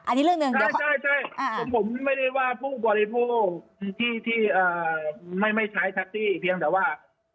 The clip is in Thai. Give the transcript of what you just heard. ใช่ผมไม่ได้ว่าผู้บริโภคที่ไม่ใช้ทักซี่เพียงแต่ว่า